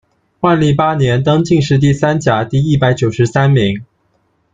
万历八年，登进士第三甲第一百九十三名。